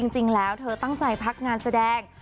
จริงแล้วเธอตั้งใจพักงานแสดง